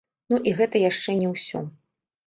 Ну і гэта яшчэ не ўсё.